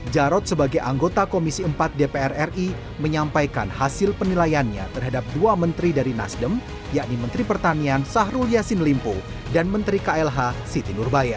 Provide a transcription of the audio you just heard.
jokowi dodo tidak menampik akan berlaku reshuffle